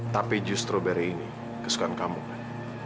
tapi juice strawberry ini kesukaan kamu kan